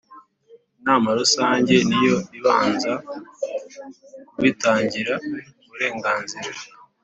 Inama Rusange niyo ibanza kubitangira uburenganzira